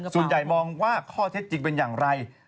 ส่วนใหญ่มองว่าข้อเท็จจริงเป็นอย่างไร